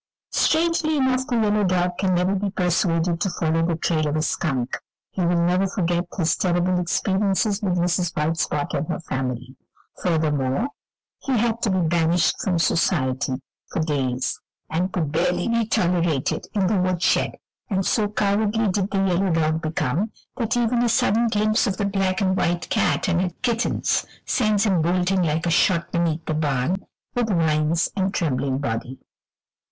Strangely enough the yellow dog can never be persuaded to follow the trail of a skunk; he will never forget his terrible experiences with Mrs. White Spot and her family; furthermore, he had to be banished from society for days, and could barely be tolerated in the wood shed, and so cowardly did the yellow dog become that even a sudden glimpse of the black and white cat and her kittens sends him bolting like a shot beneath the barn with whines and trembling body.